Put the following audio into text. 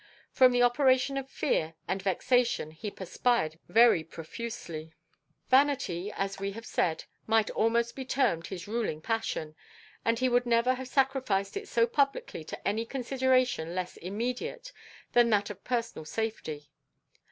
From the operation of fear and vexation he perspired very profusely. Vanity, as we have said, might almost be termed his ruling passion, and he would never have sacrificed it so publicly to any consideration less immediate than that of personal safety.